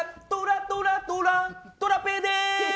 トラトラトラ、トラペイです！